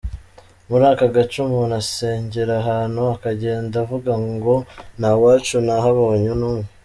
Muri aka gace umuntu asengera ahantu akagenda avuga ngo nta wacu nahabonye n’umwe”.